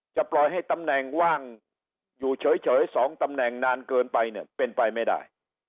ปล่อยให้ตำแหน่งว่างอยู่เฉย๒ตำแหน่งนานเกินไปเนี่ยเป็นไปไม่ได้